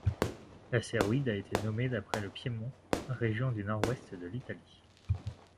L'astéroïde a été nommé d'après le Piémont, région du nord-ouest de l'Italie.